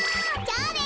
じゃあね。